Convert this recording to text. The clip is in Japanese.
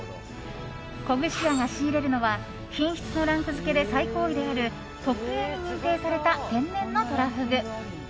古串屋が仕入れるのは品質のランク付けで最高位である特Ａに認定された天然のとらふぐ。